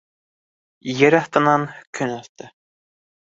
Ер аҫтынан көн аҫты.